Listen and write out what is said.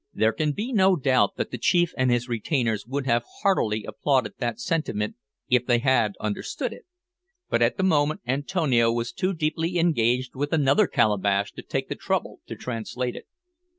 There can be no doubt that the chief and his retainers would have heartily applauded that sentiment if they had understood it, but at the moment Antonio was too deeply engaged with another calabash to take the trouble to translate it.